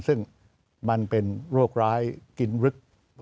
ซึ่งมันเป็นโรคร้ายกินรึก